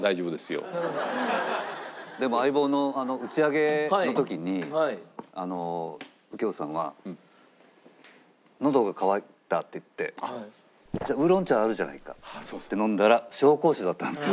でも『相棒』の打ち上げの時にあの右京さんがのどが渇いたって言ってウーロン茶あるじゃないかって飲んだら紹興酒だったんですよ。